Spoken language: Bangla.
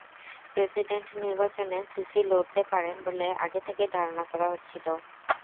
প্রেসিডেন্ট নির্বাচনে সিসি লড়তে পারেন বলে আগে থেকেই ধারণা করা হচ্ছিল।